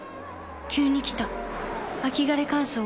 急に来た秋枯れ乾燥。